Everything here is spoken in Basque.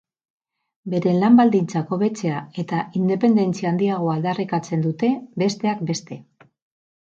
Beren lan baldintzak hobetzea eta independentzia handiagoa aldarrikatzen dute, besteak beste.